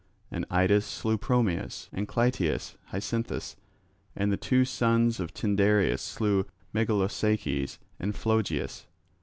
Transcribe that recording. And Idas slew Promeus, and Clytius Hyacinthus, and the two sons of Tyndareus slew Megalossaces and Phlogius.